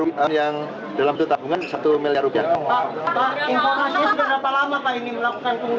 pak informasinya sudah berapa lama pak ini melakukan penghutang ini pak